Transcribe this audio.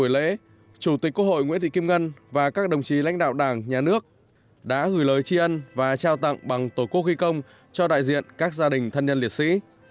lãnh đạo đảng nhà nước đã gửi lời tri ân và trao tặng bằng tổ quốc ghi công cho đại diện các gia đình thân nhân liệt sĩ